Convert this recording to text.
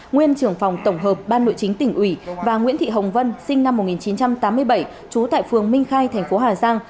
nguyên trưởng phòng tổng hợp ban nội chính tỉnh ủy và nguyễn thị hồng vân sinh năm một nghìn chín trăm tám mươi bảy trú tại phường minh khai thành phố hà giang